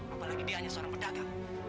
apalagi dia hanya seorang pedagang